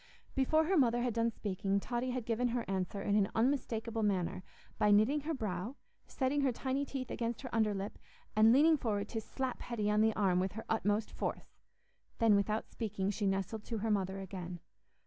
Before her mother had done speaking, Totty had given her answer in an unmistakable manner, by knitting her brow, setting her tiny teeth against her underlip, and leaning forward to slap Hetty on the arm with her utmost force. Then, without speaking, she nestled to her mother again.